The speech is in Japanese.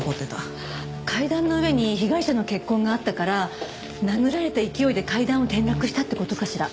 階段の上に被害者の血痕があったから殴られた勢いで階段を転落したって事かしら？